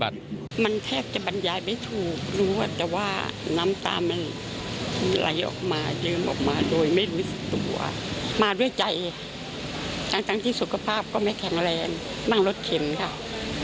ตั้งที่สุขภาพก็ไม่แข็งแรงนั่งรถเข็มครับ